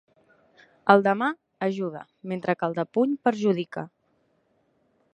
El de mà ajuda mentre que el de puny perjudica.